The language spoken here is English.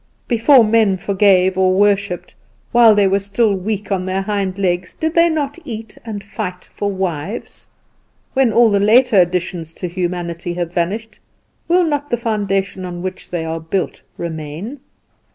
Before men forgave or worshipped, while they were weak on their hind legs, did they not eat and drink, and fight for wives? When all the latter additions to humanity have vanished, will not the foundation on which they are built remain?"